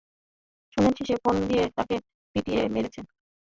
শুনেছি সে ফোন দিয়ে তাকে পিটিয়ে মেরেছে।